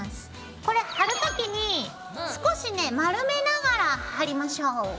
これ貼る時に少しね丸めながら貼りましょう。